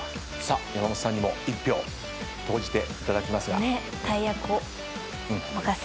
山本さんにも１票投じていただきますが。